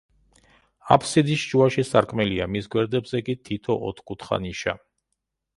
აფსიდის შუაში სარკმელია, მის გვერდებზე კი თითო ოთხკუთხა ნიშა.